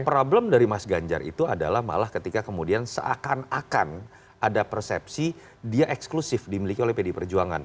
problem dari mas ganjar itu adalah malah ketika kemudian seakan akan ada persepsi dia eksklusif dimiliki oleh pdi perjuangan